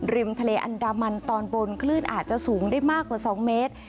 ริมทะเลอันดามันบนคลื่นอาจจะสูงมากกว่าทีสองเมตร